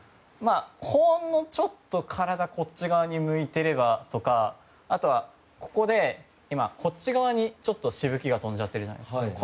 ほんのちょっと体がこっち側に向いてればとかあとはこっち側に、しぶきが飛んじゃってるじゃないですか。